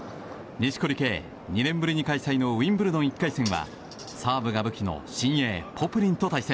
錦織圭、２年ぶりに開催のウィンブルドン１回戦はサーブが武器の新鋭ポプリンと対戦。